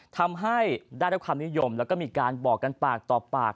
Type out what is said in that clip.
ทำให้ได้รับความนิยมแล้วก็มีการบอกกันปากต่อปาก